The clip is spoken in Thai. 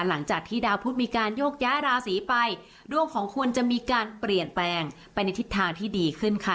หลังจากที่ดาวพุทธมีการโยกย้ายราศีไปดวงของคุณจะมีการเปลี่ยนแปลงไปในทิศทางที่ดีขึ้นค่ะ